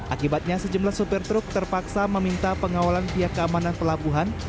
akibatnya sejumlah sopir truk terpaksa meminta pengawalan pihak keamanan pelabuhan